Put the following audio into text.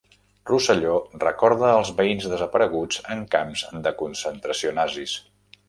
Rosselló recorda els veïns desapareguts en camps de concentració nazis.